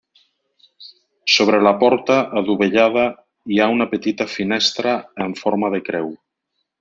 Sobre la porta, adovellada, hi ha una petita finestra en forma de creu.